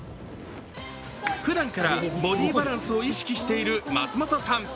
ふだんからボディーバランスを意識している松本さん。